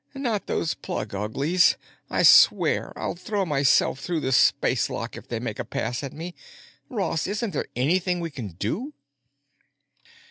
Not those plug uglies! I swear I'll throw myself through the spacelock if they make a pass at me. Ross, isn't there anything we can do?"